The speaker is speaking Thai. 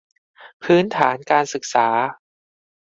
พื้นฐานการศึกษา